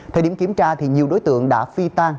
thời điểm kiểm tra nhiều đối tượng đã phi tan